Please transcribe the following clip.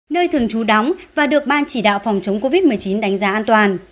nơi thường trú đóng và được ban chỉ đạo phòng chống covid một mươi chín đánh giá an toàn